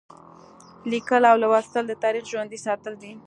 لیکل او لوستل د تاریخ ژوندي ساتل دي.